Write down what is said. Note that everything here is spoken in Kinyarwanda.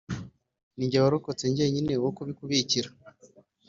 Ni jye warokotse jyenyine wo kubikubikira.